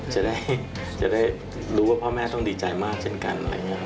จะได้รู้ว่าพ่อแม่ต้องดีใจมากเช่นกัน